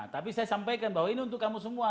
tapi saya sampaikan bahwa ini untuk kamu semua